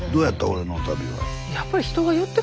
俺の旅は。